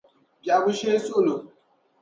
Bɛhigu shee suɣulo.